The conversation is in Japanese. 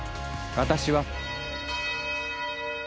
私は。